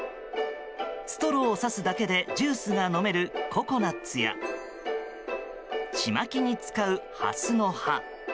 ストローを差すだけでジュースが飲めるココナツやちまきに使うハスの葉。